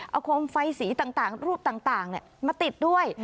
เอาโคมไฟสีต่างรูปต่างมาติดด้วย